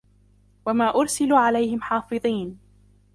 وما أرسلوا عليهم حافظين